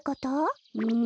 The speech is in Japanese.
うん。